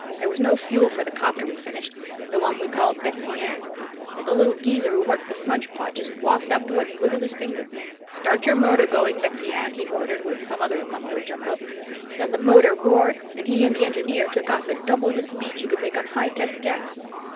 There was no fuel for the 'copter we finished the one we called Betsy Ann. But the little geezer who worked the smudgepot just walked up to it and wiggled his finger. 'Start your motor going, Betsy Ann,' he ordered with some other mumbo jumbo. Then the motor roared and he and the engineer, took off at double the speed she could make on high test gas.